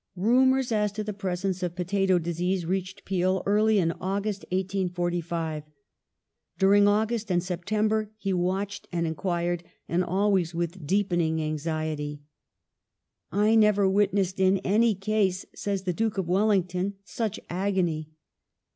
Rumours as to the presence of potato disease reached Peel early in August, 1845. During August and September he watched and inquired and always with deepening anxiety. " I never witnessed in any case," says the Duke of Wellington, "such agony."